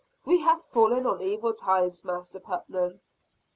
we have fallen on evil times, Master Putnam."